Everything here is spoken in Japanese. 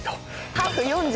ハーフ４０。